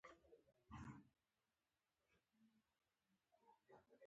دی به سره لمر ته ټوله ورځ پر آس سپور و.